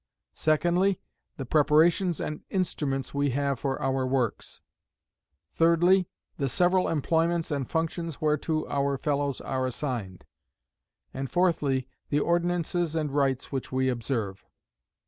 Secondly, the preparations and instruments we have for our works. Thirdly, the several employments and functions whereto our fellows are assigned. And fourthly, the ordinances and rites which we observe.